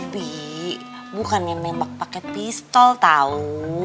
bi bukan yang nembak pakai pistol tahu